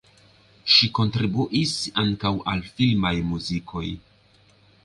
Ŝi kontribuis ankaŭ al filmaj muzikoj.